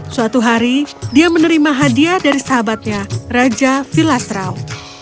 suatu hari dia menerima hadiah dari sahabatnya raja vilasrau